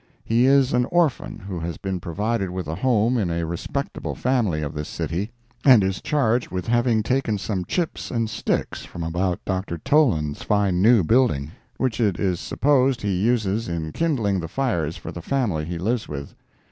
He is an orphan who has been provided with a home in a respectable family of this city, and is charged with having taken some chips and sticks from about Dr. Toland's fine new building, which it is supposed he uses in kindling the fires for the family he lives with.